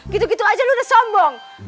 gitu gitu aja lu udah sombong